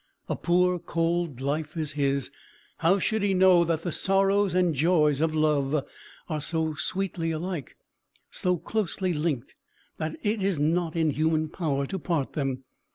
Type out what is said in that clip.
A poor cold life is his! How should he know, that the sorrows and the joys of love are so sweetly alike, so closely linked, that it is not in human power to part them.